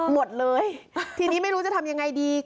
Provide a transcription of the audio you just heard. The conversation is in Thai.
หมดเลยทีนี้ไม่รู้จะทำยังไงดี